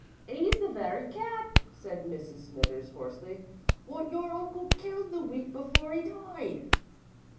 "'E's the very cat," said Mrs. Smithers, hoarsely, "wot your uncle killed the week afore 'e died!"